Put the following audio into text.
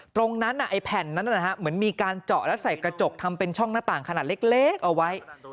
ตรงนั้นไอ้แผ่นนั้นเหมือนมีการเจาะแล้วใส่กระจกทำเป็นช่องหน้าต่างขนาดเล็กเอาไว้